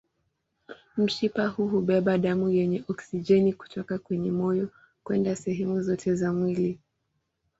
Mshipa huu hubeba damu yenye oksijeni kutoka kwenye moyo kwenda sehemu zote za mwili.